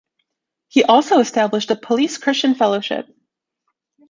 He also established the Police Christian Fellowship.